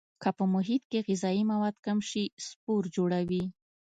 که په محیط کې غذایي مواد کم شي سپور جوړوي.